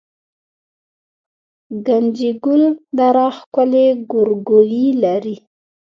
ګنجګل دره ښکلې ګورګوي لري